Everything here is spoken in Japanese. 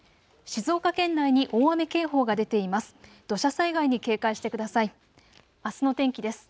静岡県内に大雨警報が出ています。